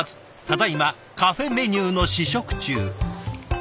ただいまカフェメニューの試食中。